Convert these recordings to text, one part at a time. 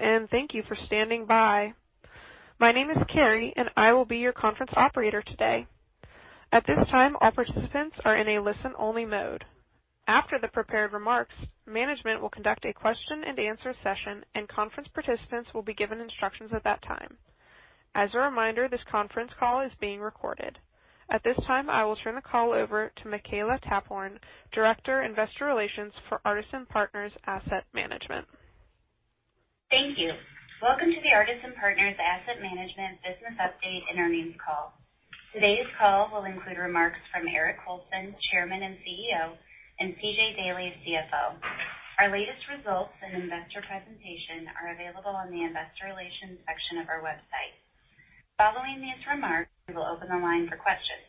Hello, and thank you for standing by. My name is Carrie, and I will be your conference operator today. At this time, all participants are in a listen-only mode. After the prepared remarks, management will conduct a question and answer session, and conference participants will be given instructions at that time. As a reminder, this conference call is being recorded. At this time, I will turn the call over to Makela Taphorn, Director, Investor Relations for Artisan Partners Asset Management. Thank you. Welcome to the Artisan Partners Asset Management business update and earnings call. Today's call will include remarks from Eric Colson, Chairman and CEO, and C.J. Daley, CFO. Our latest results and investor presentation are available on the investor relations section of our website. Following these remarks, we will open the line for questions.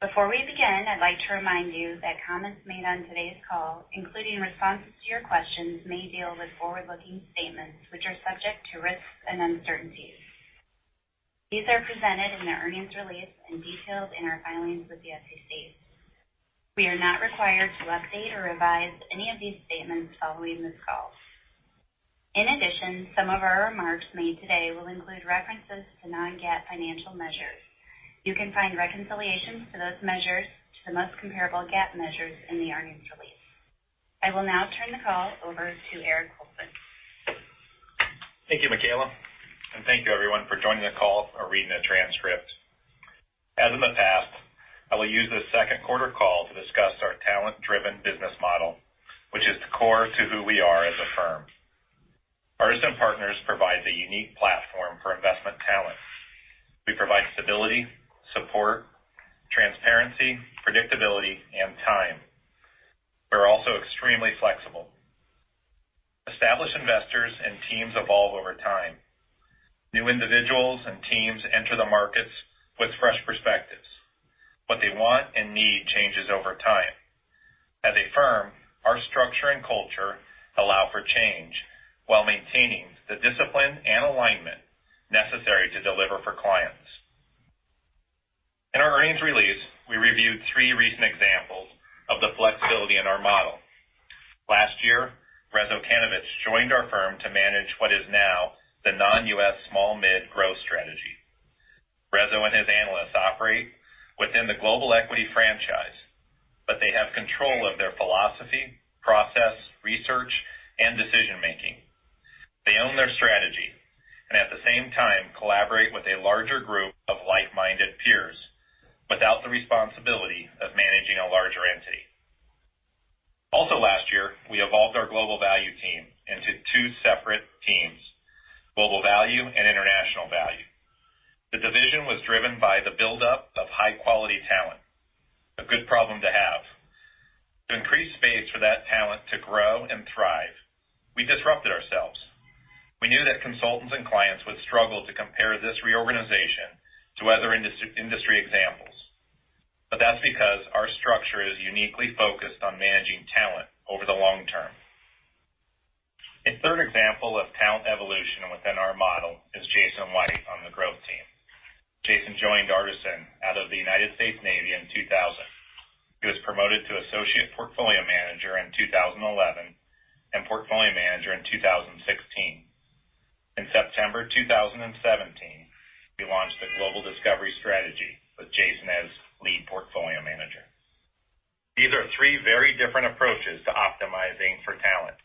Before we begin, I'd like to remind you that comments made on today's call, including responses to your questions, may deal with forward-looking statements which are subject to risks and uncertainties. These are presented in the earnings release and detailed in our filings with the SEC. We are not required to update or revise any of these statements following this call. In addition, some of our remarks made today will include references to non-GAAP financial measures. You can find reconciliations to those measures to the most comparable GAAP measures in the earnings release. I will now turn the call over to Eric Colson. Thank you, Makela. Thank you, everyone, for joining the call or reading the transcript. As in the past, I will use this second quarter call to discuss our talent-driven business model, which is core to who we are as a firm. Artisan Partners provide the unique platform for investment talent. We provide stability, support, transparency, predictability, and time. We're also extremely flexible. Established investors and teams evolve over time. New individuals and teams enter the markets with fresh perspectives. What they want and need changes over time. As a firm, our structure and culture allow for change while maintaining the discipline and alignment necessary to deliver for clients. In our earnings release, we reviewed three recent examples of the flexibility in our model. Last year, Rezo Kanovich joined our firm to manage what is now the Non-U.S. Small-Mid Growth strategy. Rezo and his analysts operate within the Global Equity franchise, but they have control of their philosophy, process, research, and decision-making. They own their strategy, and at the same time collaborate with a larger group of like-minded peers without the responsibility of managing a larger entity. Also last year, we evolved our Global Value team into two separate teams, Global Value and International Value. The division was driven by the buildup of high-quality talent, a good problem to have. To increase space for that talent to grow and thrive, we disrupted ourselves. We knew that consultants and clients would struggle to compare this reorganization to other industry examples, but that's because our structure is uniquely focused on managing talent over the long term. A third example of talent evolution within our model is Jason White on the growth team. Jason joined Artisan out of the United States Navy in 2000. He was promoted to associate portfolio manager in 2011 and portfolio manager in 2016. In September 2017, we launched the Global Discovery strategy with Jason as lead portfolio manager. These are three very different approaches to optimizing for talent.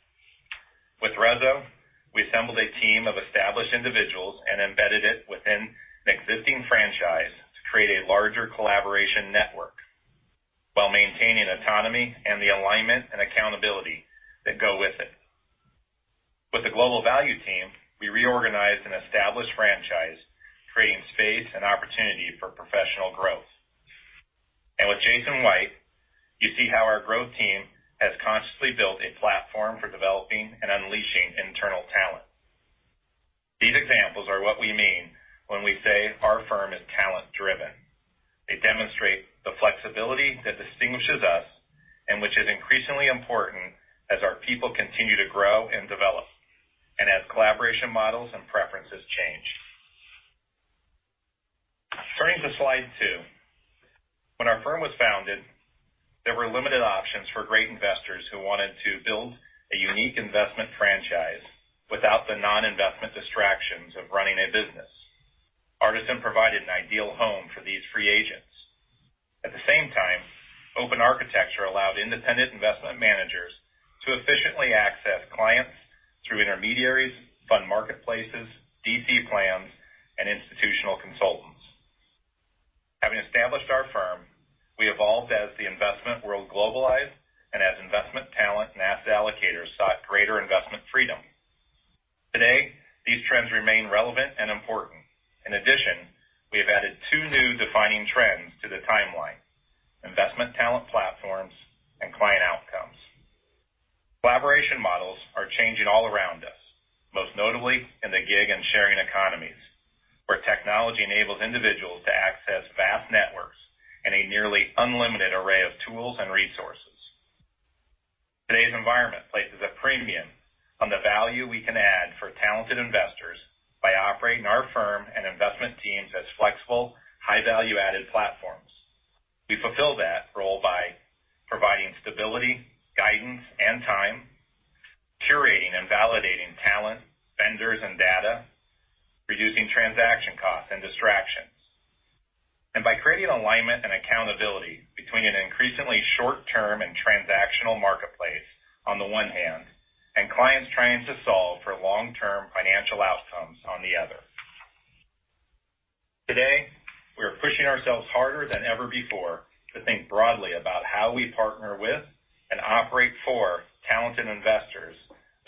With Rezo, we assembled a team of established individuals and embedded it within an existing franchise to create a larger collaboration network while maintaining autonomy and the alignment and accountability that go with it. With the Global Value Team, we reorganized an established franchise, creating space and opportunity for professional growth. With Jason White, you see how our growth team has consciously built a platform for developing and unleashing internal talent. These examples are what we mean when we say our firm is talent-driven. They demonstrate the flexibility that distinguishes us and which is increasingly important as our people continue to grow and develop and as collaboration models and preferences change. Turning to slide two. When our firm was founded, there were limited options for great investors who wanted to build a unique investment franchise without the non-investment distractions of running a business. Artisan provided an ideal home for these free agents. At the same time, open architecture allowed independent investment managers to efficiently access clients through intermediaries, fund marketplaces, DC plans, and institutional consultants. Having established our firm, we evolved as the investment world globalized and as investment talent and asset allocators sought greater investment freedom. Today, these trends remain relevant and important. In addition, we have added two new defining trends to the timeline, investment talent platforms and client outcomes. Collaboration models are changing all around us, most notably in the gig and sharing economies, where technology enables individuals to access vast networks and a nearly unlimited array of tools and resources. Today's environment places a premium on the value we can add for talented investors by operating our firm Teams as flexible, high value-added platforms. We fulfill that role by providing stability, guidance, and time, curating and validating talent, vendors, and data, reducing transaction costs and distractions. By creating alignment and accountability between an increasingly short-term and transactional marketplace on the one hand, and clients trying to solve for long-term financial outcomes on the other. Today, we are pushing ourselves harder than ever before to think broadly about how we partner with and operate for talented investors,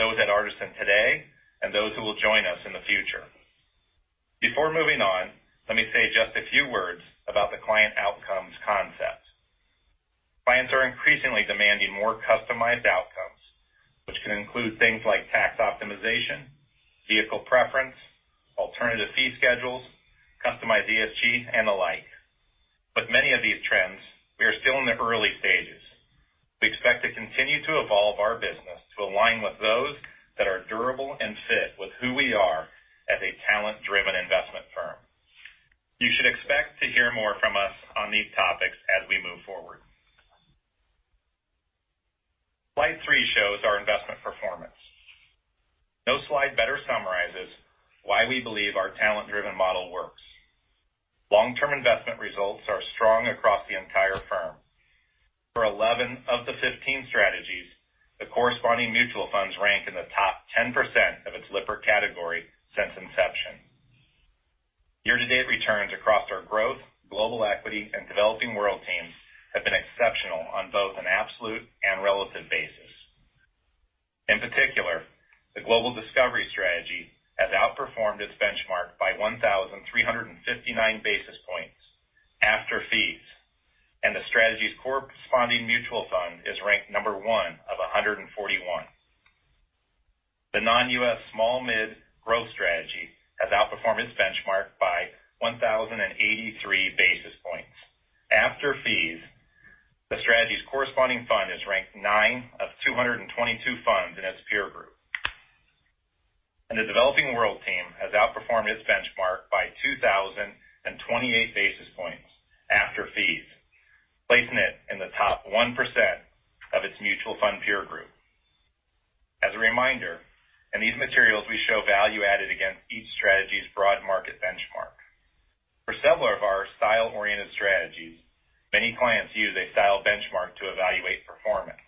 those at Artisan today, and those who will join us in the future. Before moving on, let me say just a few words about the client outcomes concept. Clients are increasingly demanding more customized outcomes, which can include things like tax optimization, vehicle preference, alternative fee schedules, customized ESG, and the like. With many of these trends, we are still in the early stages. We expect to continue to evolve our business to align with those that are durable and fit with who we are as a talent-driven investment firm. You should expect to hear more from us on these topics as we move forward. Slide three shows our investment performance. No slide better summarizes why we believe our talent-driven model works. Long-term investment results are strong across the entire firm. For 11 of the 15 strategies, the corresponding mutual funds rank in the top 10% of its Lipper category since inception. Year-to-date returns across our growth, global equity, and Developing World teams have been exceptional on both an absolute and relative basis. In particular, the Global Discovery strategy has outperformed its benchmark by 1,359 basis points after fees, and the strategy's corresponding mutual fund is ranked number one of 141. The Non-U.S. Small-Mid Growth strategy has outperformed its benchmark by 1,083 basis points after fees. The strategy's corresponding fund is ranked nine of 222 funds in its peer group. The Developing World team has outperformed its benchmark by 2,028 basis points after fees, placing it in the top 1% of its mutual fund peer group. As a reminder, in these materials, we show value-added against each strategy's broad market benchmark. For several of our style-oriented strategies, many clients use a style benchmark to evaluate performance.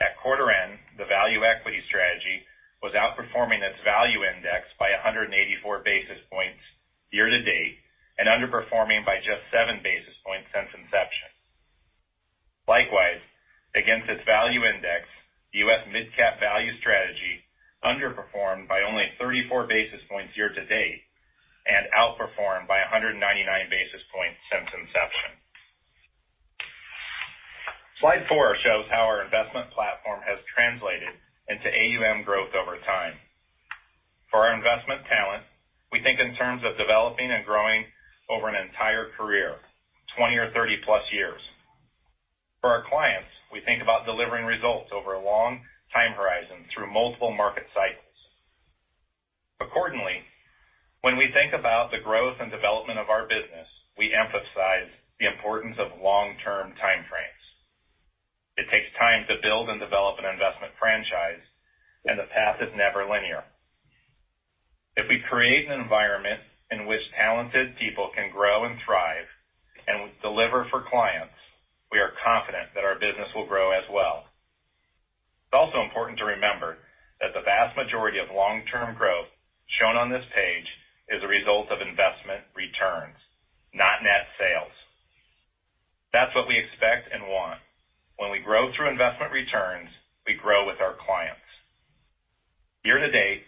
At quarter end, the Value Equity strategy was outperforming its value index by 184 basis points year to date and underperforming by just seven basis points since inception. Likewise, against its value index, the U.S. Mid-Cap Value strategy underperformed by only 34 basis points year to date and outperformed by 199 basis points since inception. Slide four shows how our investment platform has translated into AUM growth over time. For our investment talent, we think in terms of developing and growing over an entire career, 20 or 30-plus years. For our clients, we think about delivering results over a long time horizon through multiple market cycles. Accordingly, when we think about the growth and development of our business, we emphasize the importance of long-term time frames. It takes time to build and develop an investment franchise, and the path is never linear. If we create an environment in which talented people can grow and thrive and deliver for clients, we are confident that our business will grow as well. It's also important to remember that the vast majority of long-term growth shown on this page is a result of investment returns, not net sales. That's what we expect and want. When we grow through investment returns, we grow with our clients. Year to date,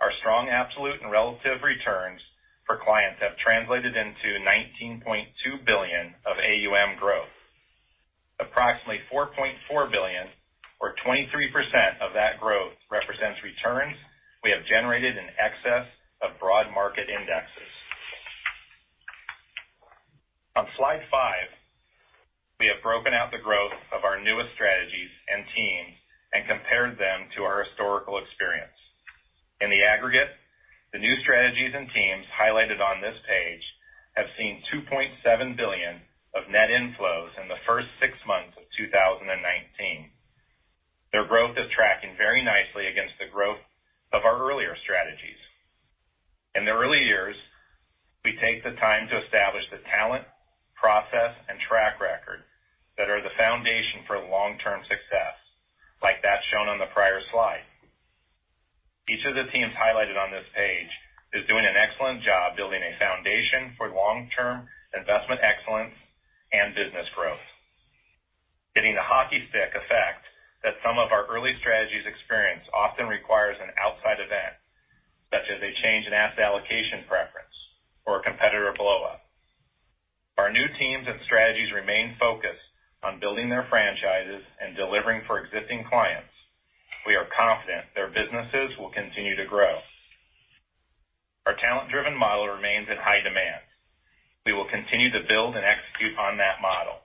our strong absolute and relative returns for clients have translated into $19.2 billion of AUM growth. Approximately $4.4 billion, or 23% of that growth, represents returns we have generated in excess of broad market indexes. On slide five, we have broken out the growth of our newest strategies and teams and compared them to our historical experience. In the aggregate, the new strategies and teams highlighted on this page have seen $2.7 billion of net inflows in the first six months of 2019. Their growth is tracking very nicely against the growth of our earlier strategies. In the early years, we take the time to establish the talent, process, and track record that are the foundation for long-term success, like that shown on the prior slide. Each of the teams highlighted on this page is doing an excellent job building a foundation for long-term investment excellence and business growth. Getting the hockey stick effect that some of our early strategies experience often requires an outside event, such as a change in asset allocation preference or a competitor blow-up. Our new teams and strategies remain focused on building their franchises and delivering for existing clients. We are confident their businesses will continue to grow. Our talent-driven model remains in high demand. We will continue to build and execute on that model.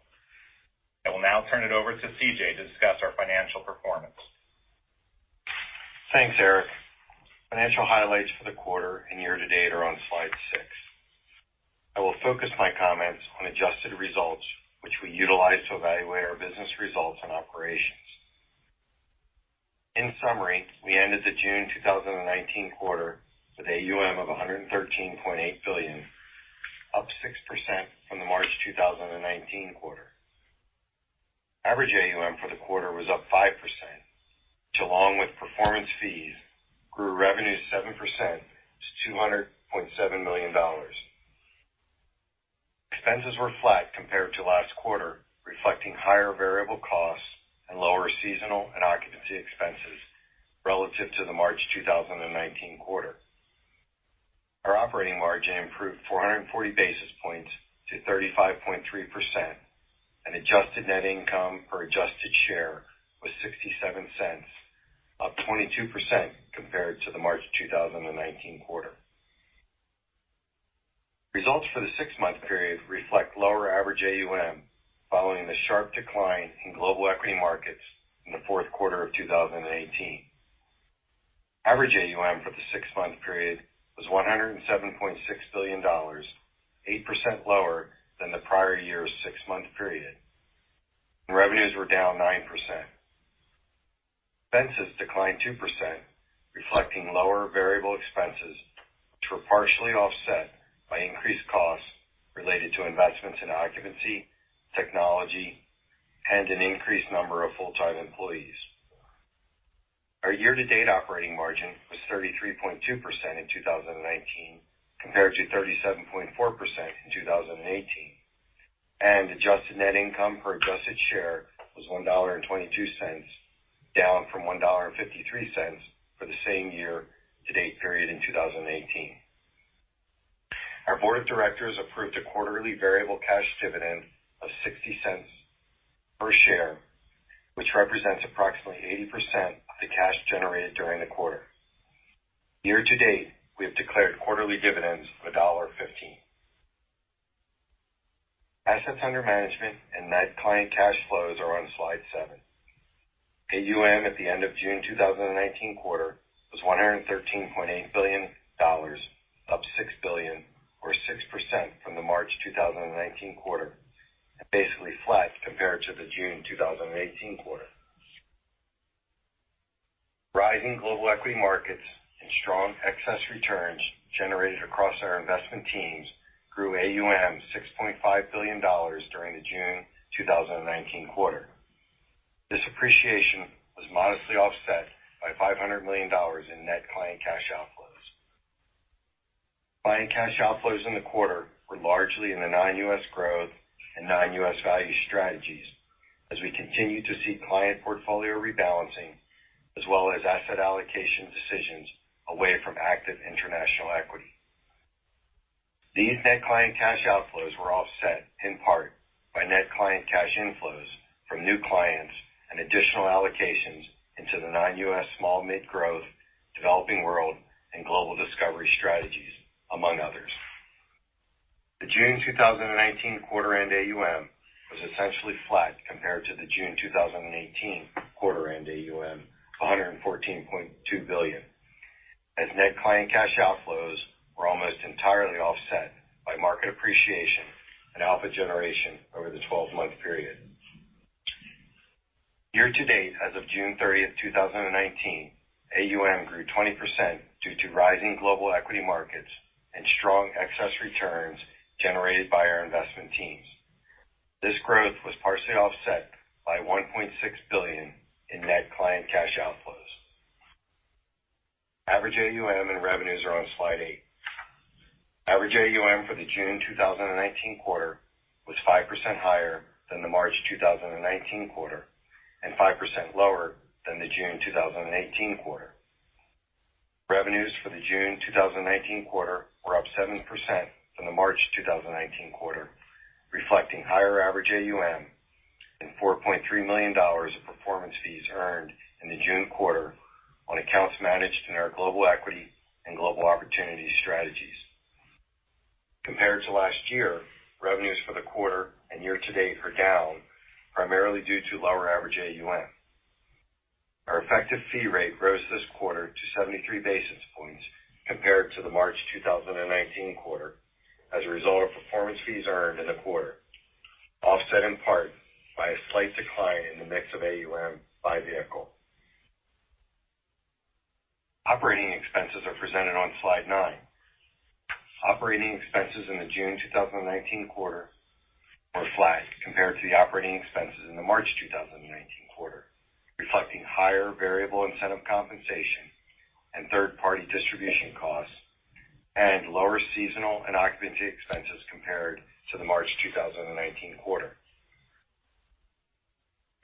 I will now turn it over to C.J. to discuss our financial performance. Thanks, Eric. Financial highlights for the quarter and year to date are on slide six. I will focus my comments on adjusted results, which we utilize to evaluate our business results and operations. In summary, we ended the June 2019 quarter with AUM of $113.8 billion, up 6% from the March 2019 quarter. Average AUM for the quarter was up 5%, which, along with performance fees, grew revenue 7% to $200.7 million. Expenses were flat compared to last quarter, reflecting higher variable costs and lower seasonal and occupancy expenses relative to the March 2019 quarter. Our operating margin improved 440 basis points to 35.3%, and adjusted net income per adjusted share was $0.67, up 22% compared to the March 2019 quarter. Results for the six-month period reflect lower average AUM following the sharp decline in global equity markets in the fourth quarter of 2018. Average AUM for the six-month period was $107.6 billion, 8% lower than the prior year's six-month period. Revenues were down 9%. Expenses declined 2%, reflecting lower variable expenses, which were partially offset by increased costs related to investments in occupancy, technology, and an increased number of full-time employees. Our year-to-date operating margin was 33.2% in 2019, compared to 37.4% in 2018, and adjusted net income per adjusted share was $1.22, down from $1.53 for the same year-to-date period in 2018. Our board of directors approved a quarterly variable cash dividend of $0.60 per share, which represents approximately 80% of the cash generated during the quarter. Year-to-date, we have declared quarterly dividends of $1.15. Assets under management and net client cash flows are on slide seven. AUM at the end of June 2019 quarter was $113.8 billion, up $6 billion or 6% from the March 2019 quarter, and basically flat compared to the June 2018 quarter. Rising global equity markets and strong excess returns generated across our investment teams grew AUM to $6.5 billion during the June 2019 quarter. This appreciation was modestly offset by $500 million in net client cash outflows. Client cash outflows in the quarter were largely in the Non-U.S. Growth and Non-U.S. Value strategies, as we continue to see client portfolio rebalancing, as well as asset allocation decisions away from active international equity. These net client cash outflows were offset in part by net client cash inflows from new clients and additional allocations into the Non-U.S. Small-Mid Growth, Developing World, and Global Discovery strategies, among others. The June 2019 quarter end AUM was essentially flat compared to the June 2018 quarter end AUM of $114.2 billion, as net client cash outflows were almost entirely offset by market appreciation and alpha generation over the 12-month period. Year to date, as of June 30th, 2019, AUM grew 20% due to rising Global Equity markets and strong excess returns generated by our investment teams. This growth was partially offset by $1.6 billion in net client cash outflows. Average AUM and revenues are on slide eight. Average AUM for the June 2019 quarter was 5% higher than the March 2019 quarter and 5% lower than the June 2018 quarter. Revenues for the June 2019 quarter were up 7% from the March 2019 quarter, reflecting higher average AUM and $4.3 million of performance fees earned in the June quarter on accounts managed in our Global Equity and Global Opportunities strategies. Compared to last year, revenues for the quarter and year-to-date are down, primarily due to lower average AUM. Our effective fee rate rose this quarter to 73 basis points compared to the March 2019 quarter as a result of performance fees earned in the quarter, offset in part by a slight decline in the mix of AUM by vehicle. Operating expenses are presented on slide nine. Operating expenses in the June 2019 quarter were flat compared to the operating expenses in the March 2019 quarter, reflecting higher variable incentive compensation and third-party distribution costs, and lower seasonal and occupancy expenses compared to the March 2019 quarter.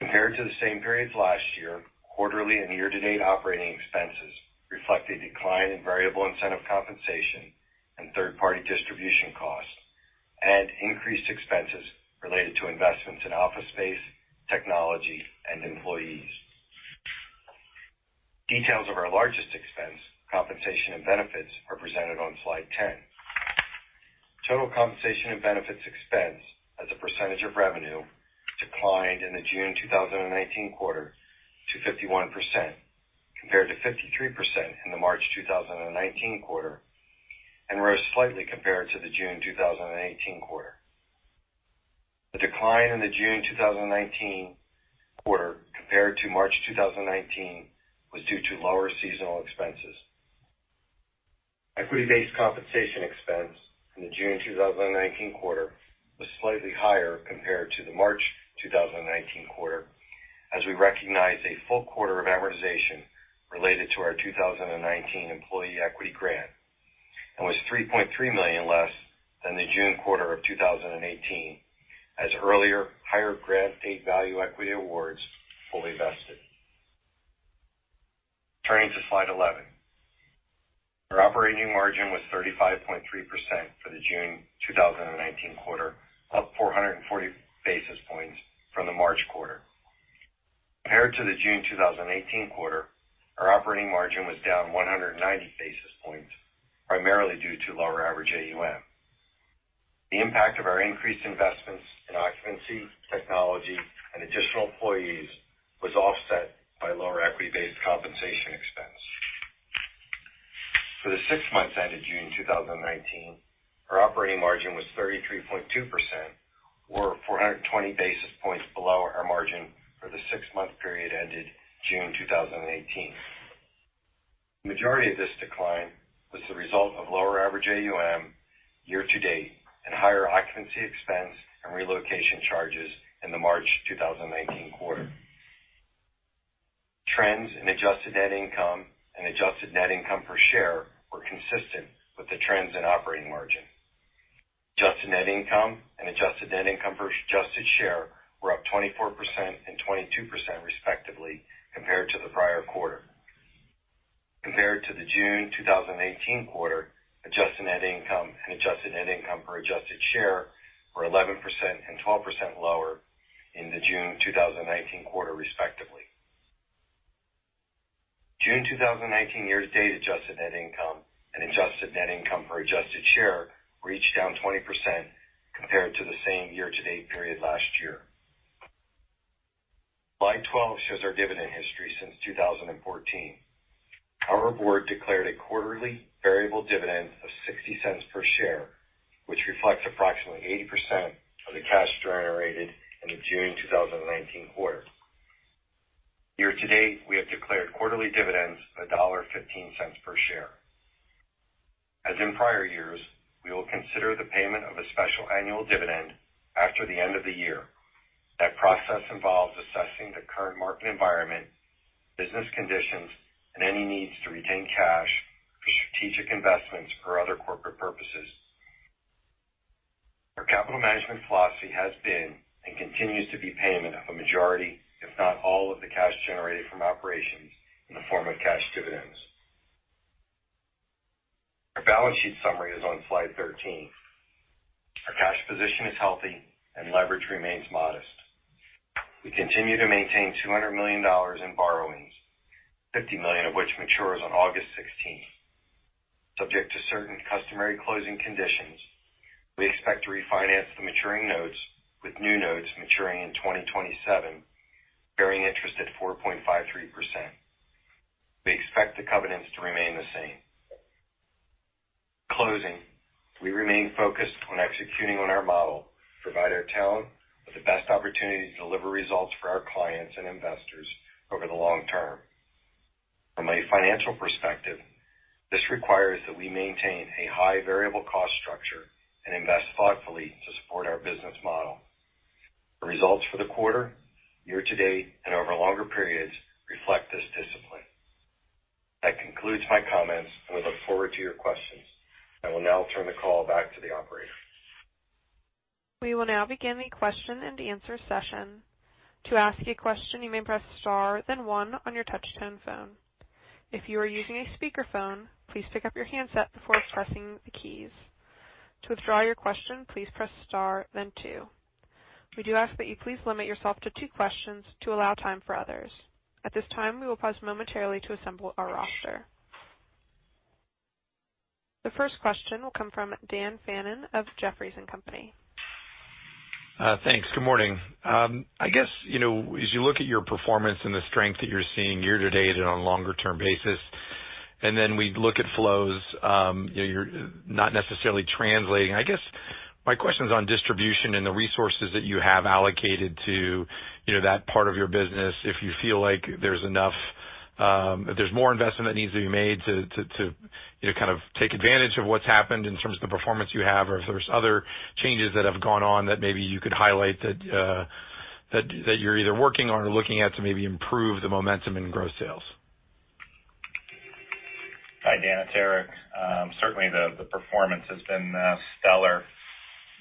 Compared to the same periods last year, quarterly and year-to-date operating expenses reflect a decline in variable incentive compensation and third-party distribution costs, and increased expenses related to investments in office space, technology and employees. Details of our largest expense, compensation and benefits, are presented on slide 10. Total compensation and benefits expense as a percentage of revenue declined in the June 2019 quarter to 51%, compared to 53% in the March 2019 quarter, and rose slightly compared to the June 2018 quarter. The decline in the June 2019 quarter compared to March 2019 was due to lower seasonal expenses. Equity-based compensation expense in the June 2019 quarter was slightly higher compared to the March 2019 quarter, as we recognized a full quarter of amortization related to our 2019 employee equity grant and was $3.3 million less than the June quarter of 2018, as earlier higher grant date value equity awards fully vested. Turning to slide 11. Our operating margin was 35.3% for the June 2019 quarter, up 440 basis points from the March quarter. Compared to the June 2018 quarter, our operating margin was down 190 basis points, primarily due to lower average AUM. The impact of our increased investments in occupancy, technology, and additional employees was offset by lower equity-based compensation expense. For the six months ended June 2019, our operating margin was 33.2%, or 420 basis points below our margin for the six-month period ended June 2018. The majority of this decline was the result of lower average AUM year to date and higher occupancy expense and relocation charges in the March 2019 quarter. Trends in adjusted net income and adjusted net income per share were consistent with the trends in operating margin. Adjusted net income and adjusted net income per adjusted share were up 24% and 22% respectively compared to the prior quarter. Compared to the June 2018 quarter, adjusted net income and adjusted net income per adjusted share were 11% and 12% lower in the June 2019 quarter respectively. June 2019 year-to-date adjusted net income and adjusted net income per adjusted share were each down 20% compared to the same year-to-date period last year. Slide 12 shows our dividend history since 2014. Our board declared a quarterly variable dividend of $0.60 per share, which reflects approximately 80% of the cash generated in the June 2019 quarter. Year-to-date, we have declared quarterly dividends of $1.15 per share. As in prior years, we will consider the payment of a special annual dividend after the end of the year. That process involves assessing the current market environment, business conditions, and any needs to retain cash for strategic investments or other corporate purposes. Our capital management philosophy has been, and continues to be, payment of a majority, if not all, of the cash generated from operations in the form of cash dividends. Our balance sheet summary is on slide 13. Our cash position is healthy and leverage remains modest. We continue to maintain $200 million in borrowings, $50 million of which matures on August 16th. Subject to certain customary closing conditions, we expect to refinance the maturing notes with new notes maturing in 2027, bearing interest at 4.53%. We expect the covenants to remain the same. In closing, we remain focused on executing on our model to provide our talent with the best opportunity to deliver results for our clients and investors over the long term. From a financial perspective, this requires that we maintain a high variable cost structure and invest thoughtfully to support our business model. The results for the quarter, year to date, and over longer periods reflect this discipline. That concludes my comments, and we look forward to your questions. I will now turn the call back to the operator. We will now begin the question and answer session. To ask a question, you may press star then one on your touch-tone phone. If you are using a speakerphone, please pick up your handset before pressing the keys. To withdraw your question, please press star then two. We do ask that you please limit yourself to two questions to allow time for others. At this time, we will pause momentarily to assemble our roster. The first question will come from Dan Fannon of Jefferies & Company. Thanks. Good morning. I guess, as you look at your performance and the strength that you're seeing year to date and on a longer term basis, and then we look at flows, you're not necessarily translating. I guess my question's on distribution and the resources that you have allocated to that part of your business, if you feel like there's more investment that needs to be made to take advantage of what's happened in terms of the performance you have, or if there's other changes that have gone on that maybe you could highlight that you're either working on or looking at to maybe improve the momentum in gross sales. Hi, Dan, it's Eric. Certainly, the performance has been stellar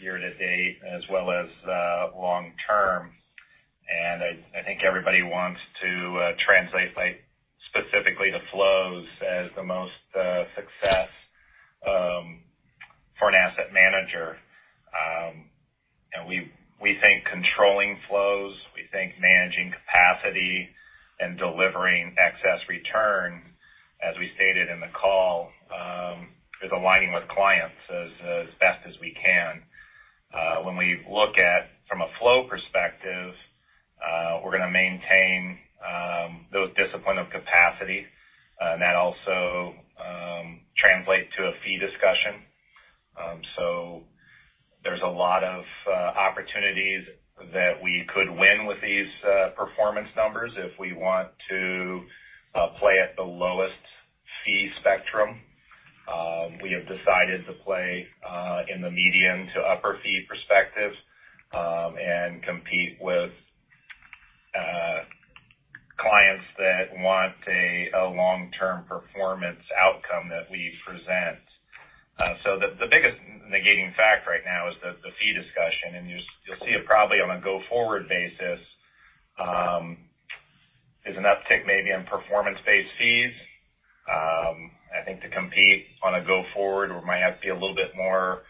year to date as well as long term. I think everybody wants to translate specifically the flows as the most success for an asset manager We think controlling flows, we think managing capacity and delivering excess return, as we stated in the call, is aligning with clients as best as we can. When we look at from a flow perspective, we're going to maintain those discipline of capacity, and that also translate to a fee discussion. There's a lot of opportunities that we could win with these performance numbers if we want to play at the lowest fee spectrum. We have decided to play in the medium to upper fee perspective, and compete with clients that want a long-term performance outcome that we present. The biggest negating fact right now is the fee discussion. You'll see it probably on a go-forward basis, is an uptick maybe on performance-based fees. I think to compete on a go-forward, we might have to be a little bit more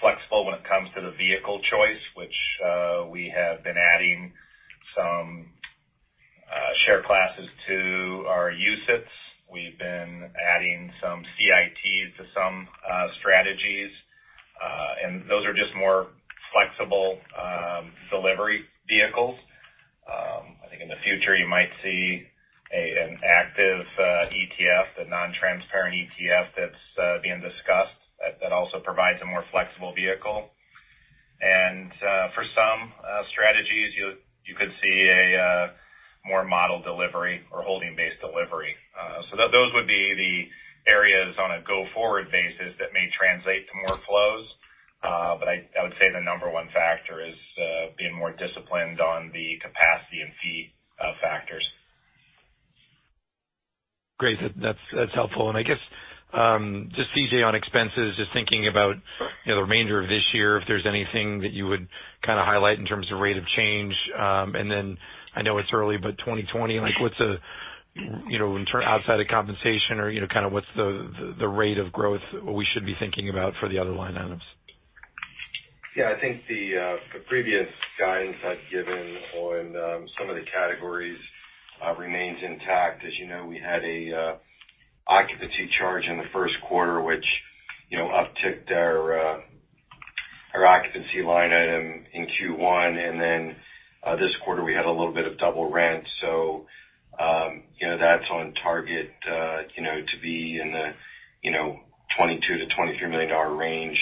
flexible when it comes to the vehicle choice, which we have been adding some share classes to our UCITS. We've been adding some CITs to some strategies. Those are just more flexible delivery vehicles. I think in the future you might see an active ETF, a non-transparent ETF that's being discussed that also provides a more flexible vehicle. For some strategies, you could see a more model delivery or holding-based delivery. Those would be the areas on a go-forward basis that may translate to more flows. I would say the number one factor is being more disciplined on the capacity and fee factors. Great. That's helpful. I guess, just CJ on expenses, just thinking about the remainder of this year, if there's anything that you would highlight in terms of rate of change. I know it's early, 2020, outside of compensation or what's the rate of growth we should be thinking about for the other line items? Yeah, I think the previous guidance I'd given on some of the categories remains intact. As you know, we had an occupancy charge in the first quarter, which upticked our occupancy line item in Q1. This quarter, we had a little bit of double rent. That's on target to be in the $22 million-$23 million range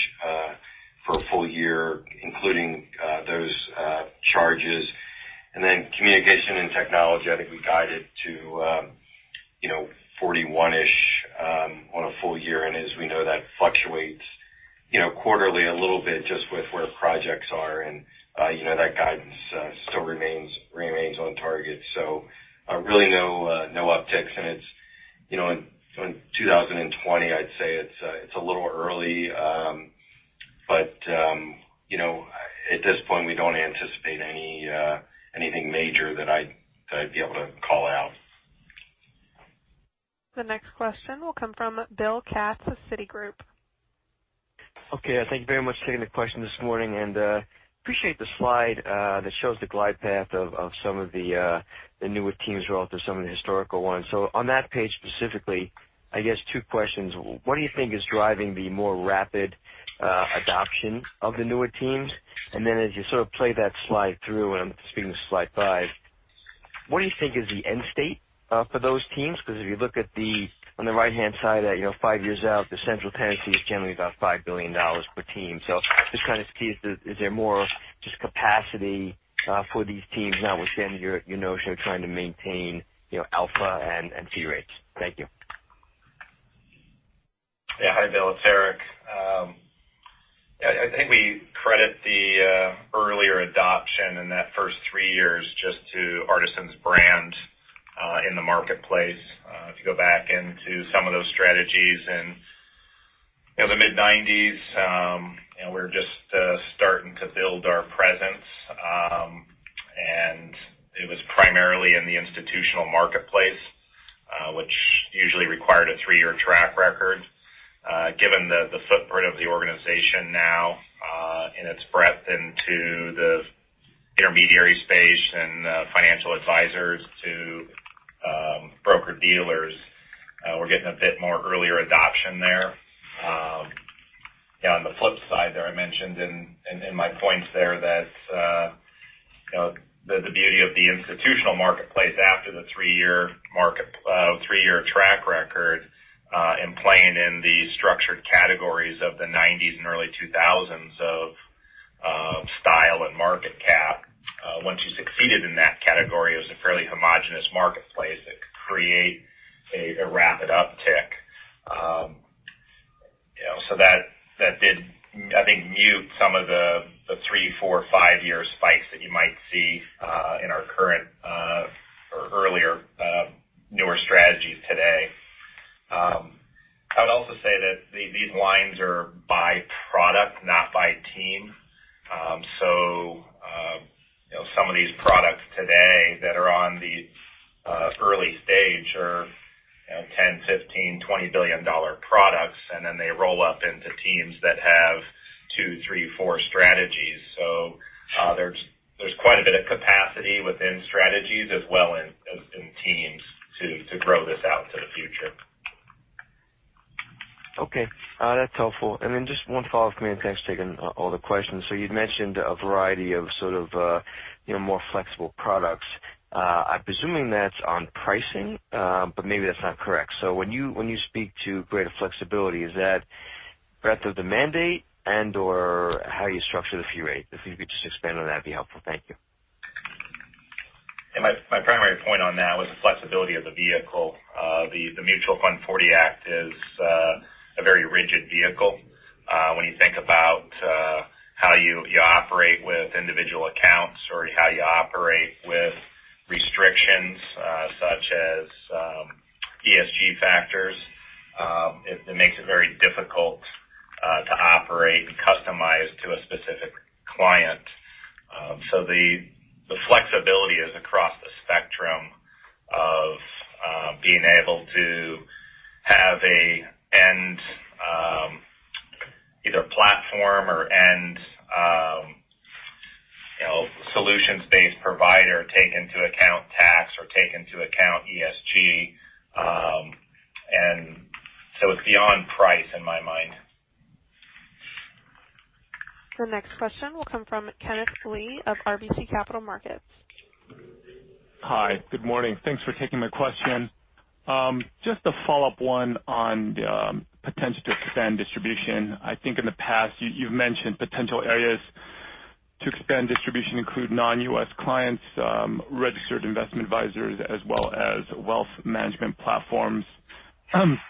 for a full year, including those charges. Communication and technology, I think we guided to 41-ish on a full year. As we know, that fluctuates quarterly a little bit just with where projects are, and that guidance still remains on target. Really no upticks. In 2020, I'd say it's a little early. At this point, we don't anticipate anything major that I'd be able to call out. The next question will come from Bill Katz with Citigroup. Thank you very much for taking the question this morning, appreciate the slide that shows the glide path of some of the newer teams relative to some of the historical ones. On that page specifically, I guess two questions. What do you think is driving the more rapid adoption of the newer teams? As you sort of play that slide through, I'm speaking to slide five, what do you think is the end state for those teams? If you look on the right-hand side at five years out, the central tendency is generally about $5 billion per team. Just kind of curious, is there more just capacity for these teams now within your notion of trying to maintain alpha and fee rates? Thank you. Hi, Bill. It's Eric. I think we credit the earlier adoption in that first three years just to Artisan's brand in the marketplace. If you go back into some of those strategies in the mid-'90s, we were just starting to build our presence. It was primarily in the institutional marketplace, which usually required a three-year track record. Given the footprint of the organization now in its breadth into the intermediary space and financial advisors to broker-dealers, we're getting a bit more earlier adoption there. On the flip side there, I mentioned in my points there that the beauty of the institutional marketplace after the three-year track record and playing in the structured categories of the '90s and early 2000s of style and market cap. Once you succeeded in that category, it was a fairly homogeneous marketplace that could create a rapid uptick. That did, I think, mute some of the three-, four-, five-year spikes that you might see in our current or earlier, newer strategies today. I would also say that these lines are by product, not by team. Some of these products today that are on the early stage are 10, 15, $20 billion products, and then they roll up into teams that have two, three, four strategies. There's quite a bit of capacity within strategies as well in teams to grow this out into the future. Okay, that's helpful. Just one follow-up for me, and thanks for taking all the questions. You'd mentioned a variety of more flexible products. I'm presuming that's on pricing, but maybe that's not correct. When you speak to greater flexibility, is that breadth of the mandate and/or how you structure the fee rate? If you could just expand on that, it'd be helpful. Thank you. Yeah, my primary point on that was the flexibility of the vehicle. The '40 Act is a very rigid vehicle. When you think about how you operate with individual accounts or how you operate with restrictions such as ESG factors, it makes it very difficult to operate and customize to a specific client. The flexibility is across the spectrum of being able to have a end either platform or end solutions-based provider take into account tax or take into account ESG. It's beyond price in my mind. The next question will come from Kenneth Lee of RBC Capital Markets. Hi, good morning. Thanks for taking my question. Just a follow-up one on the potential to expand distribution. I think in the past, you've mentioned potential areas to expand distribution include non-U.S. clients, registered investment advisors, as well as wealth management platforms.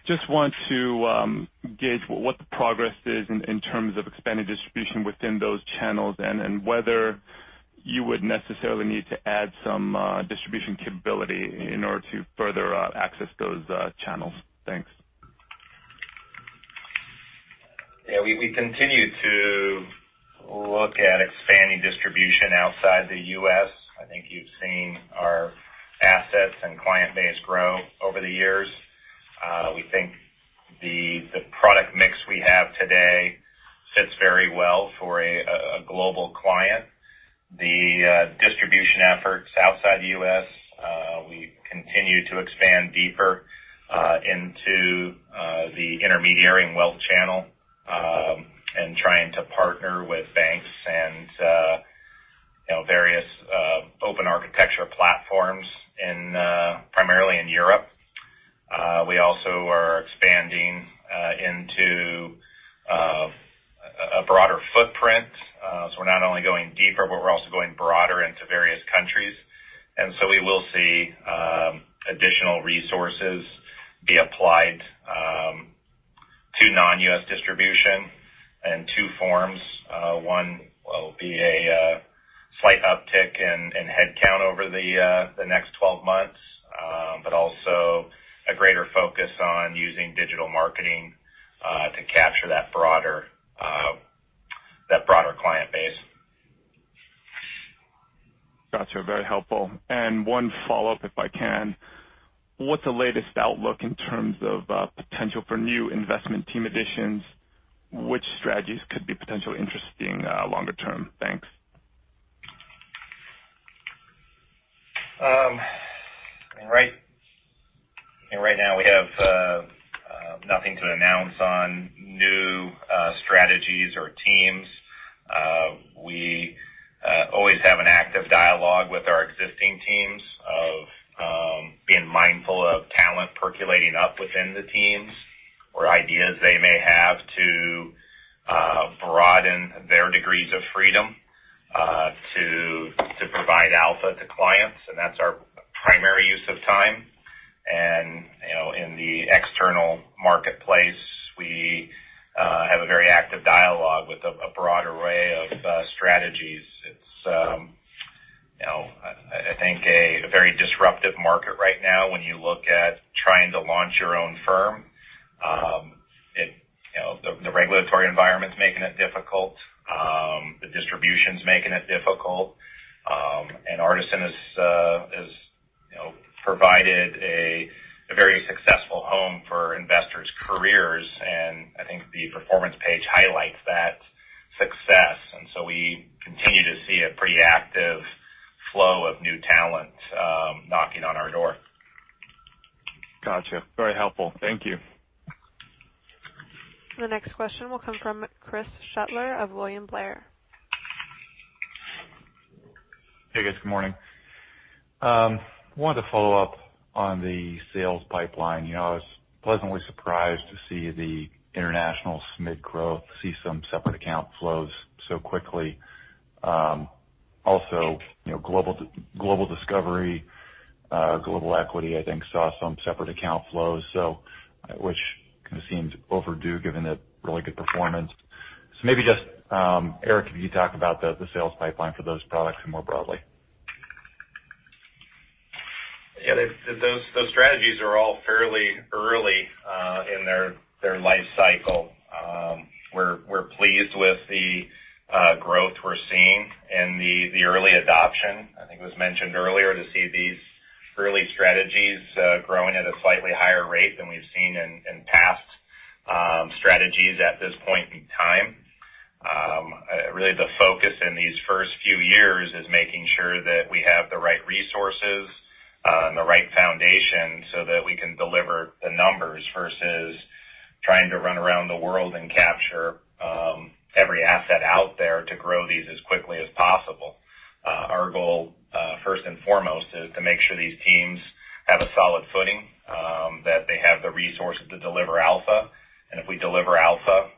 Just want to gauge what the progress is in terms of expanding distribution within those channels and whether you would necessarily need to add some distribution capability in order to further access those channels. Thanks. Yeah, we continue to look at expanding distribution outside the U.S. I think you've seen our assets and client base grow over the years. We think the product mix we have today fits very well for a global client. The distribution efforts outside the U.S., we continue to expand deeper into the intermediary and wealth channel, trying to partner with banks and various open architecture platforms primarily in Europe. We also are expanding into a broader footprint. We're not only going deeper, but we're also going broader into various countries. We will see additional resources be applied to non-U.S. distribution in two forms. One will be a slight uptick in head count over the next 12 months, but also a greater focus on using digital marketing to capture that broader client base. Got you. Very helpful. One follow-up, if I can. What's the latest outlook in terms of potential for new investment team additions? Which strategies could be potentially interesting longer term? Thanks. Right now we have nothing to announce on new strategies or teams. We always have an active dialogue with our existing teams of being mindful of talent percolating up within the teams or ideas they may have to broaden their degrees of freedom to provide alpha to clients, and that's our primary use of time. In the external marketplace, we have a very active dialogue with a broad array of strategies. It's I think a very disruptive market right now when you look at trying to launch your own firm. The regulatory environment's making it difficult. The distribution's making it difficult. Artisan has provided a very successful home for investors' careers, and I think the performance page highlights that success. We continue to see a pretty active flow of new talent knocking on our door. Got you. Very helpful. Thank you. The next question will come from Chris Shutler of William Blair. Hey, guys. Good morning. Wanted to follow up on the sales pipeline. I was pleasantly surprised to see the International SMid Growth see some separate account flows so quickly. Global Discovery, Global Equity, I think, saw some separate account flows, which kind of seemed overdue given the really good performance. Maybe just, Eric, could you talk about the sales pipeline for those products more broadly? Yeah. Those strategies are all fairly early in their life cycle. We're pleased with the growth we're seeing and the early adoption. I think it was mentioned earlier, to see these early strategies growing at a slightly higher rate than we've seen in past strategies at this point in time. Really the focus in these first few years is making sure that we have the right resources and the right foundation so that we can deliver the numbers, versus trying to run around the world and capture every asset out there to grow these as quickly as possible. Our goal, first and foremost, is to make sure these teams have a solid footing, that they have the resources to deliver alpha. If we deliver alpha,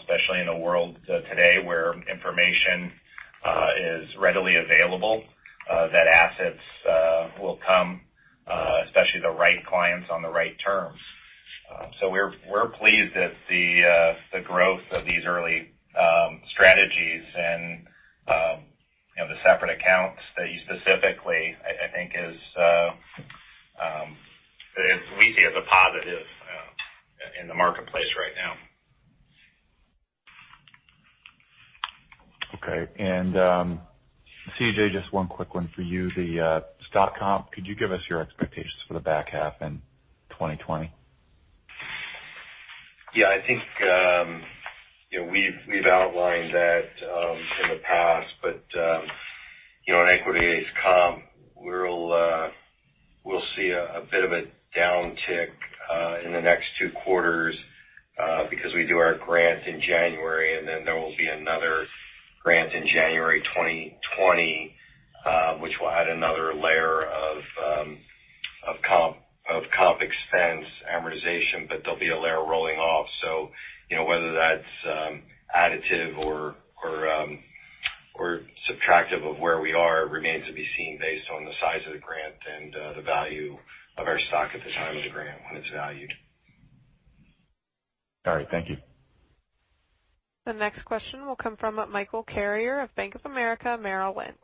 especially in a world today where information is readily available, that assets will come, especially the right clients on the right terms. We're pleased at the growth of these early strategies and the separate accounts that you specifically, we see as a positive in the marketplace right now. Okay. C.J., just one quick one for you. The stock comp, could you give us your expectations for the back half in 2020? Yeah, I think we've outlined that in the past. In equity comp, we'll see a bit of a downtick in the next two quarters because we do our grant in January, and then there will be another grant in January 2020, which will add another layer of comp expense amortization, but there'll be a layer rolling off. Whether that's additive or subtractive of where we are remains to be seen based on the size of the grant and the value of our stock at the time of the grant when it's valued. All right. Thank you. The next question will come from Michael Carrier of Bank of America Merrill Lynch.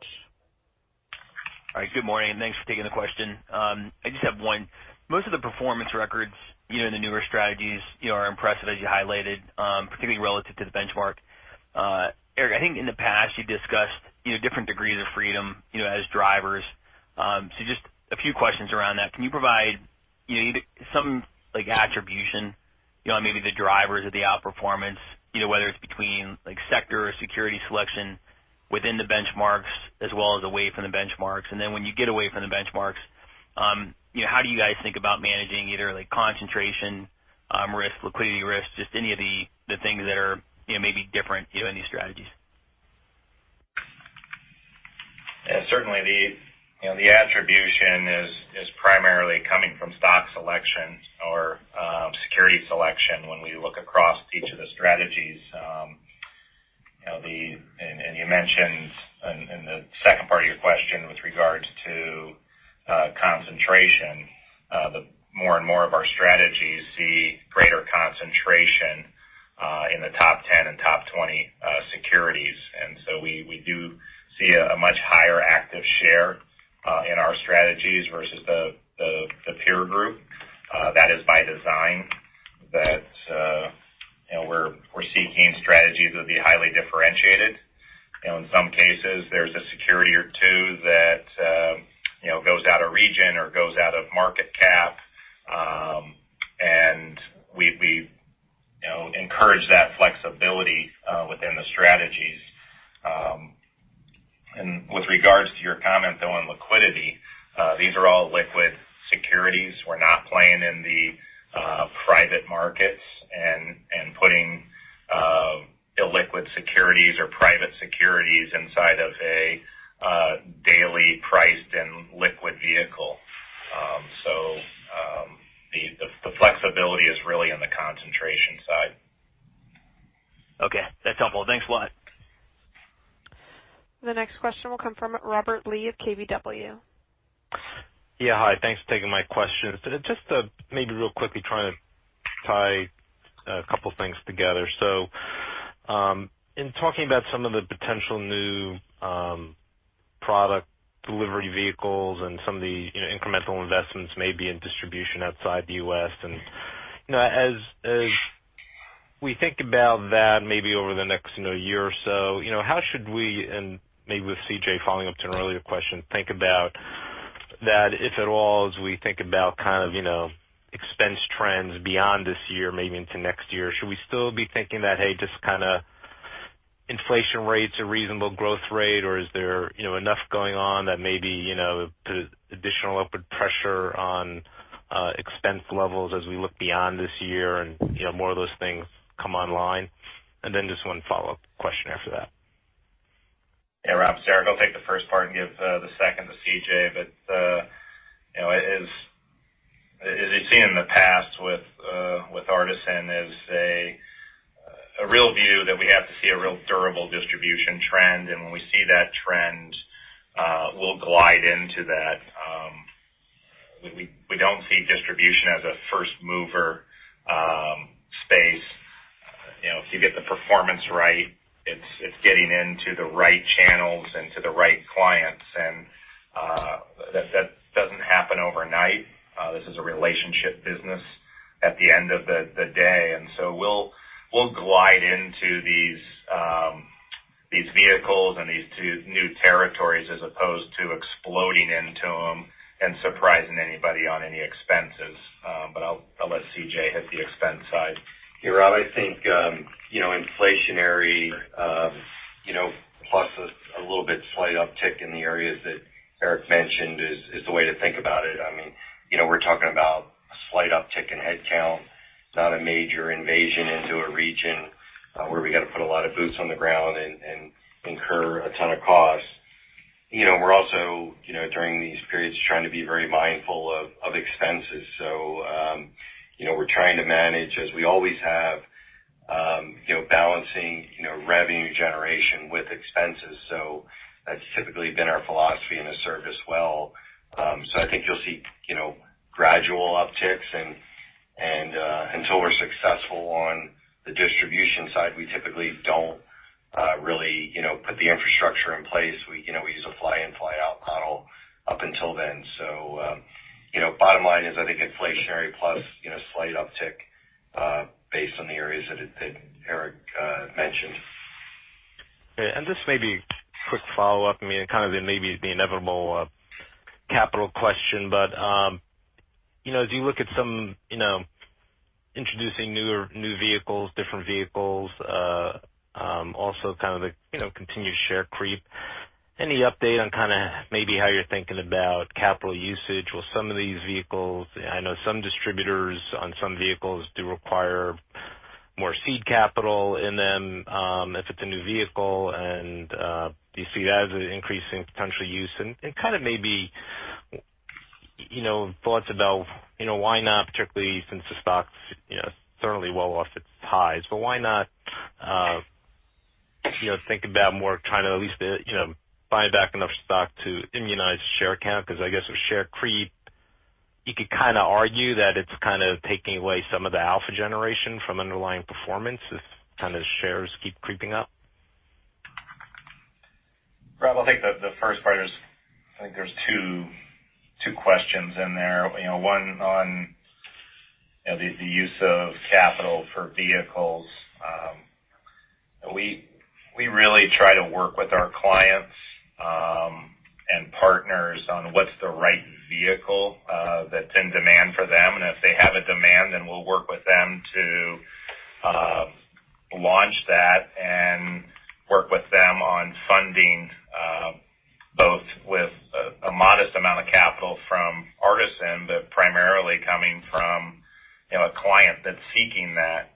All right. Good morning. Thanks for taking the question. I just have one. Most of the performance records in the newer strategies are impressive as you highlighted, particularly relative to the benchmark. Eric, I think in the past you discussed different degrees of freedom as drivers. Just a few questions around that. Can you provide some attribution on maybe the drivers of the outperformance, whether it's between sector or security selection within the benchmarks as well as away from the benchmarks. When you get away from the benchmarks, how do you guys think about managing either concentration risk, liquidity risk, just any of the things that are maybe different in these strategies? Yeah, certainly the attribution is primarily coming from stock selection or security selection when we look across each of the strategies. You mentioned in the second part of your question with regards to concentration, more and more of our strategies see greater concentration in the top 10 and top 20 securities. So we do see a much higher Active Share in our strategies versus the peer group. That is by design, that we're seeking strategies that will be highly differentiated. In some cases, there's a security or two that goes out of region or goes out of market cap. We encourage that flexibility within the strategies. With regards to your comment, though, on liquidity, these are all liquid securities. We're not playing in the private markets and putting illiquid securities or private securities inside of a daily priced and liquid vehicle. The flexibility is really in the concentration side. Okay. That's helpful. Thanks a lot. The next question will come from Robert Lee of KBW. Yeah, hi. Thanks for taking my questions. Just maybe real quickly trying to tie a couple things together. In talking about some of the potential new product delivery vehicles and some of the incremental investments maybe in distribution outside the U.S., and as we think about that maybe over the next year or so, how should we, and maybe with C.J. following up to an earlier question, think about that, if at all, as we think about expense trends beyond this year, maybe into next year? Should we still be thinking that, hey, just inflation rates, a reasonable growth rate, or is there enough going on that maybe the additional upward pressure on expense levels as we look beyond this year and more of those things come online? Just one follow-up question after that. Yeah, Robert. Eric, I'll take the first part and give the second to C.J. As you've seen in the past with Artisan Partners is a real view that we have to see a real durable distribution trend. When we see that trend, we'll glide into that. We don't see distribution as a first mover space. If you get the performance right, it's getting into the right channels and to the right clients. That doesn't happen overnight. This is a relationship business at the end of the day. We'll glide into these vehicles and these new territories as opposed to exploding into them and surprising anybody on any expenses. I'll let C.J. hit the expense side. Yeah, Rob, I think inflationary, plus a little bit slight uptick in the areas that Eric mentioned is the way to think about it. We're talking about a slight uptick in headcount, not a major invasion into a region, where we got to put a lot of boots on the ground and incur a ton of costs. We're also, during these periods, trying to be very mindful of expenses. We're trying to manage, as we always have, balancing revenue generation with expenses. That's typically been our philosophy, and it served us well. I think you'll see gradual upticks, and until we're successful on the distribution side, we typically don't really put the infrastructure in place. We use a fly-in, fly-out model up until then. Bottom line is, I think inflationary plus slight uptick, based on the areas that Eric mentioned. Okay. This may be a quick follow-up. I mean, kind of maybe the inevitable capital question, but as you look at introducing newer, new vehicles, different vehicles, also kind of the continued share creep, any update on maybe how you're thinking about capital usage with some of these vehicles? I know some distributors on some vehicles do require more seed capital in them if it's a new vehicle. Do you see that as an increasing potential use? Kind of maybe thoughts about why not, particularly since the stock's certainly well off its highs, but why not think about more trying to at least buy back enough stock to immunize share count? I guess with share creep, you could argue that it's taking away some of the alpha generation from underlying performance if shares keep creeping up. Rob, I'll take the first part. I think there's two questions in there. One on the use of capital for vehicles. We really try to work with our clients, and partners on what's the right vehicle that's in demand for them. If they have a demand, then we'll work with them to launch that and work with them on funding, both with a modest amount of capital from Artisan, but primarily coming from a client that's seeking that,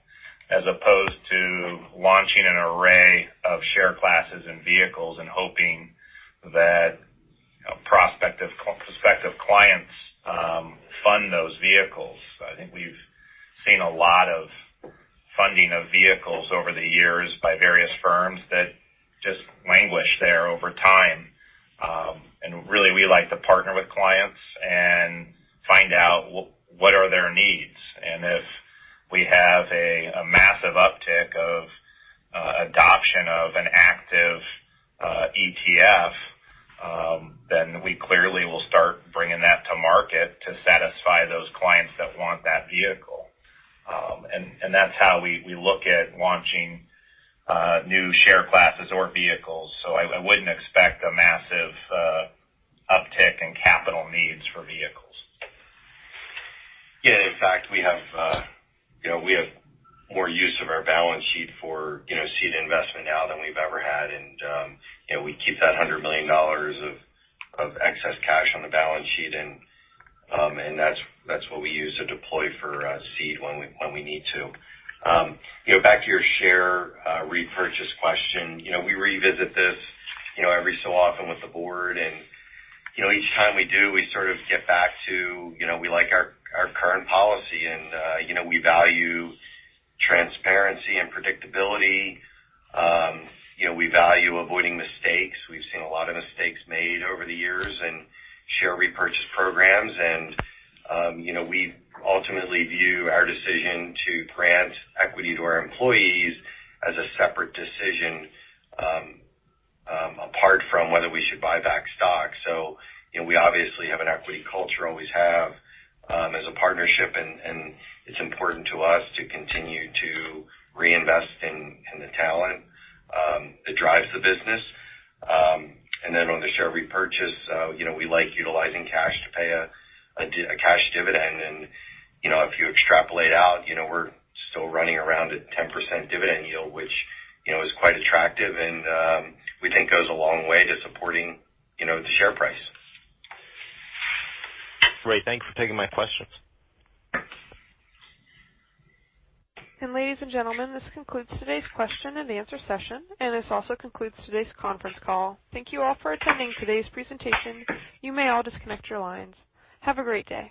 as opposed to launching an array of share classes and vehicles and hoping that prospective clients fund those vehicles. I think we've seen a lot of funding of vehicles over the years by various firms that just languish there over time. Really, we like to partner with clients and find out what are their needs. If we have a massive uptick of adoption of an active ETF, then we clearly will start bringing that to market to satisfy those clients that want that vehicle. That's how we look at launching new share classes or vehicles. I wouldn't expect a massive uptick in capital needs for vehicles. Yeah. In fact, we have more use of our balance sheet for seed investment now than we've ever had. We keep that $100 million of excess cash on the balance sheet, and that's what we use to deploy for seed when we need to. Back to your share repurchase question. We revisit this every so often with the board, and each time we do, we sort of get back to we like our current policy, and we value transparency and predictability. We value avoiding mistakes. We've seen a lot of mistakes made over the years in share repurchase programs, and we ultimately view our decision to grant equity to our employees as a separate decision, apart from whether we should buy back stock. We obviously have an equity culture, always have, as a partnership, and it's important to us to continue to reinvest in the talent that drives the business. Then on the share repurchase, we like utilizing cash to pay a cash dividend. If you extrapolate out, we're still running around a 10% dividend yield, which is quite attractive and we think goes a long way to supporting the share price. Great. Thank you for taking my questions. Ladies and gentlemen, this concludes today's question and answer session, and this also concludes today's conference call. Thank you all for attending today's presentation. You may all disconnect your lines. Have a great day.